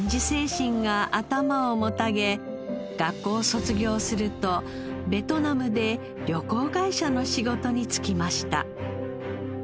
精神が頭をもたげ学校を卒業するとベトナムで旅行会社の仕事に就きました。